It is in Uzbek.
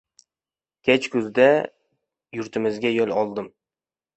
Kech kuzda yurtimizga yo‘l oldim.